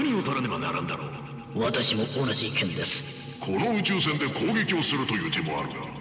この宇宙船で攻撃をするという手もあるが。